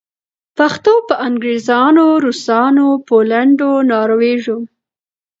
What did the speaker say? پښتو به انګریزانو، روسانو پولېنډو ناروېژو